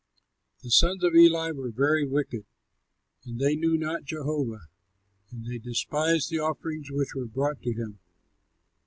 The sons of Eli were very wicked. They knew not Jehovah, and they despised the offerings which were brought to him.